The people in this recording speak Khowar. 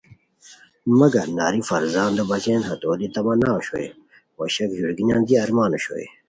مگر ناری فرزندو بچین ہتو دی تمنا اوشوئے وا شک ژور گینیان دی ارمان اوشوئے